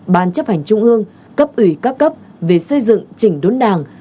ban chấp hành trung ương cấp ủy các cấp về xây dựng chỉnh đốn đảng